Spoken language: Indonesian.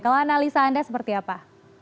kalau analisa anda seperti apa